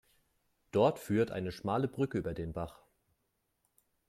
Dort führt eine schmale Brücke über den Bach.